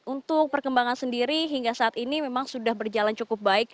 untuk perkembangan sendiri hingga saat ini memang sudah berjalan cukup baik